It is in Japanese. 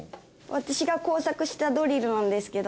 私が工作したドリルなんですけど。